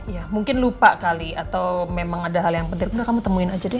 ya mungkin lupa kali atau memang ada hal yang penting kamu temuin aja deh